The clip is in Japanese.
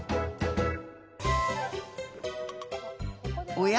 おや？